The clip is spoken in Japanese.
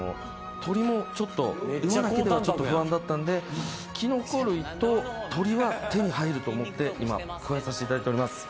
鶏もちょっと馬だけではちょっと不安だったんでと思って今加えさせていただいております